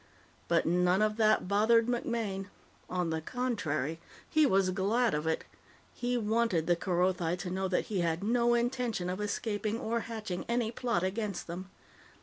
But none of that bothered MacMaine. On the contrary, he was glad of it. He wanted the Kerothi to know that he had no intention of escaping or hatching any plot against them.